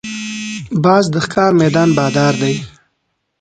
باز د ښکار میدان بادار دی